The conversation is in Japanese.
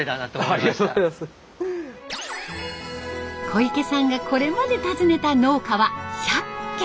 小池さんがこれまで訪ねた農家は１００軒。